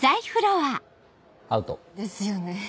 アウト。ですよね。